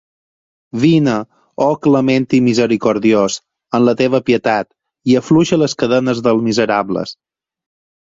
Vine, oh clement i misericordiós, amb la teva pietat, i afluixa les cadenes dels miserables.